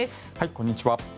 こんにちは。